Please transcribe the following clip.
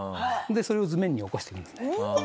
でそれを図面に起こしていくんですね。